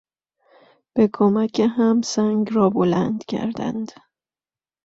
به کمک هم سنگ را بلند کردند.